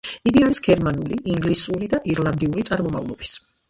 იგი არის გერმანული, ინგლისური და ირლანდიური წარმომავლობის.